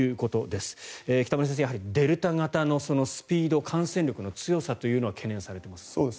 北村先生、やはりデルタ型のスピード感染力の強さというのが懸念されています。